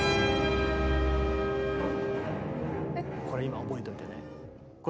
これ今覚えておいてね。